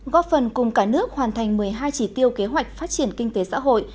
góp phần cùng cả nước hoàn thành một mươi hai chỉ tiêu kế hoạch phát triển kinh tế xã hội